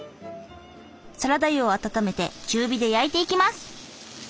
サラダ油を温めて中火で焼いていきます。